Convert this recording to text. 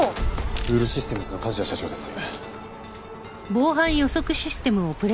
ブールシステムズの梶谷社長です。